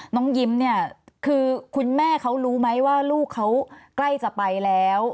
น้องยิ้มเนี่ยคือคุณแม่เขารู้ไหมว่าลูกเขาใกล้จะไปแล้ว